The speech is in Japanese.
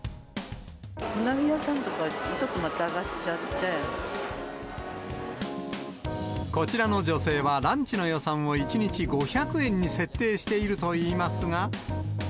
うなぎ屋さんは、ちょっとまこちらの女性はランチの予算を１日５００円に設定しているといいますが。